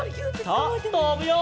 さあとぶよ！